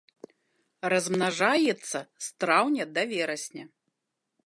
Размнажаецца з траўня да верасня.